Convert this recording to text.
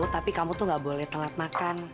tapi kamu tuh gak boleh telat makan